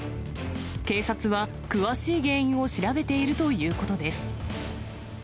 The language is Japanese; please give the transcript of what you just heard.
警察は詳しい原因を調べているということです。